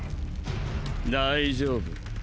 大丈夫。